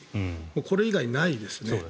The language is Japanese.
これ以外ないですね。